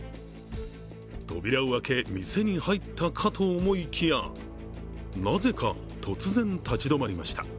扉を開け店に入ったかと思いきやなぜか突然、立ち止まりました。